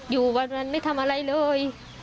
อยู่วันนั้นไม่ทำอะไรเลย